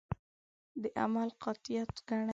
د عمل قاطعیت ګڼي.